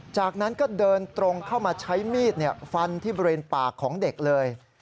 จากนั้นก็เดินตรงเข้ามาใช้มีดฟันที่บริเวณปากของเด็กเลย